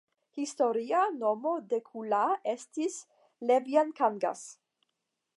Historia nomo de Kullaa estas Leviankangas.